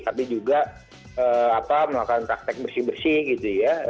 tapi juga melakukan praktek bersih bersih gitu ya